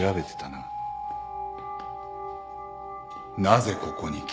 なぜここに来たか。